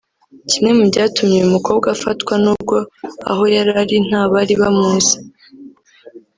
Kimwe mu byatumye uyu mukobwa afatwa n’ubwo aho yari ari nta bari bamuzi